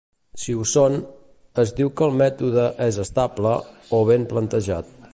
Si ho són, es diu que el mètode és "estable" o "ben plantejat".